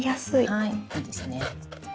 はいいいですね。